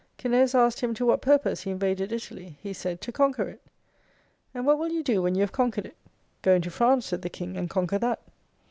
Cineas asked him to what purpose he invaded Italy ? He said, to conquer it. And what will you do when you have conquered it ? Go into France, said the King, and conquer that.